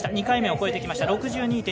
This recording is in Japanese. ２回目を超えてきました。